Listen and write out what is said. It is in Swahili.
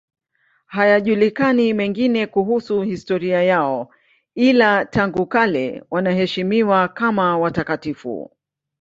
Hayajulikani mengine kuhusu historia yao, ila tangu kale wanaheshimiwa kama watakatifu.